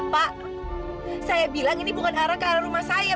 pak saya bilang ini bukan arah ke arah rumah saya